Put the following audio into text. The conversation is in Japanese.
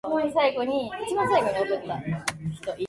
アンドル＝エ＝ロワール県の県都はトゥールである